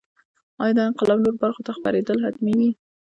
ایا دا انقلاب نورو برخو ته خپرېدل حتمي وو.